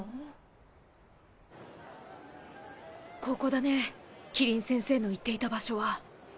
ここだね希林先生の言っていた場所は。